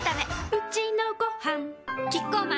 うちのごはんキッコーマン